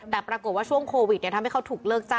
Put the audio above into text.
แต่ปรากฏว่าช่วงโควิดทำให้เขาถูกเลิกจ้